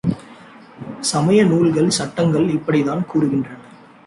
சமய நூல்கள், சட்டங்கள் இப்படித்தான் கூறுகின்றன!